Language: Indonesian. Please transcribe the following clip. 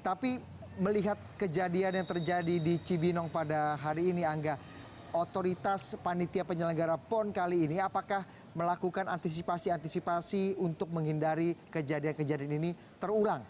tapi melihat kejadian yang terjadi di cibinong pada hari ini angga otoritas panitia penyelenggara pon kali ini apakah melakukan antisipasi antisipasi untuk menghindari kejadian kejadian ini terulang